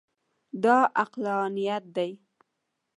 دا عقلانیت دی.